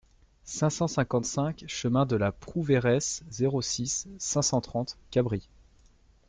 cinq cent cinquante-cinq chemin de la Prouveiresse, zéro six, cinq cent trente, Cabris